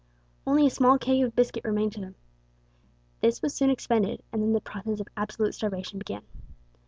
Only a small keg of biscuit remained to them. This was soon expended, and then the process of absolute starvation began.